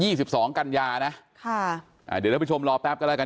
ยี่สิบสองกันยานะค่ะอ่าเดี๋ยวเราไปชมรอแป๊บก็แล้วกัน